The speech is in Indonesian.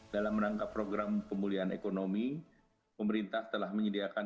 dalam menangkap program pemulihan ekonomi pemerintah telah menyediakan